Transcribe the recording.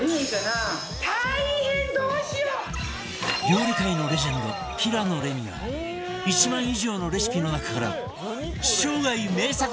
料理界のレジェンド平野レミが１万以上のレシピの中から生涯名作